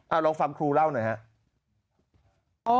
เอาลองฟังครูเล่าหน่อยครับ